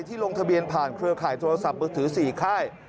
ลงทะเบียนผ่านเครือข่ายโทรศัพท์มือถือ๔ค่าย